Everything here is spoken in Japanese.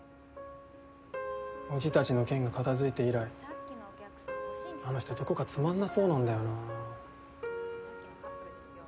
叔父たちの件が片づいて以来あの人どこかつまんなそうなんだよなぁ。